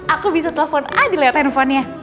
aku bisa telepon aja lewat handphonenya